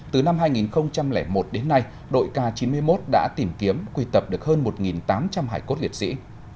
từ năm hai nghìn một đến nay đội k chín mươi một đã tìm kiếm quy tập được hơn một tám trăm linh hải cốt liệt sĩ